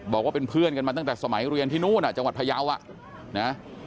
บอกว่าเป็นเพื่อนกันมาตั้งแต่สมัยเรียนที่นู่นจังหวัดพยาวอ่ะนะ